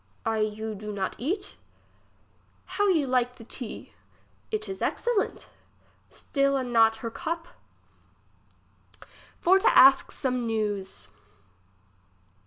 I you do not eat ? How you like the tea. It is excellent. Still a not her cup. For to ask some neivs.